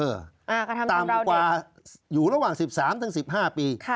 กระทำชำลาวเด็กต่ำกว่าอยู่ระหว่าง๑๓ถึง๑๕ปี